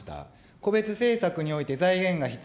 個別政策において財源が必要。